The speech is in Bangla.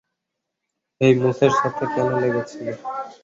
হেই, মুসের সাথে কেন লেগেছিলি?